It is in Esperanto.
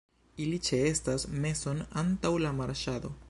Ili ĉeestas meson antaŭ la marŝado.